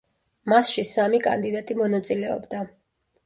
მასში სამი კანდიდატი მონაწილეობდა.